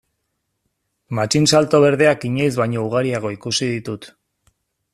Matxinsalto berdeak inoiz baino ugariago ikusi ditut.